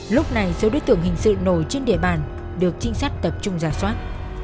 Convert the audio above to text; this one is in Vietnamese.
lúc này số đối tượng hình sự nổi trên địa bàn được trinh sát tập trung giả soát